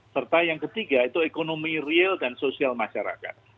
serta yang ketiga itu ekonomi real dan sosial masyarakat